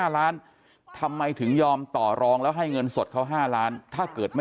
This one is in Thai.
๕ล้านทำไมถึงยอมต่อรองแล้วให้เงินสดเขา๕ล้านถ้าเกิดไม่